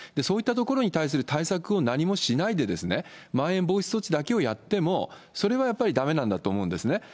そういった所に対する対策を何もしないで、まん延防止措置だけをやっても、それはやっぱりだめなんだと思うんですね。